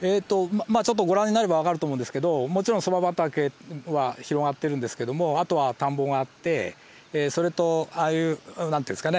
まあちょっとご覧になればわかると思うんですけどもちろんそば畑は広がってるんですけどもあとは田んぼがあってそれとああいう何て言うんですかね